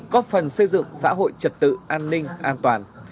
góp phần xây dựng xã hội trật tự an ninh an toàn